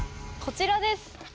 こちらです！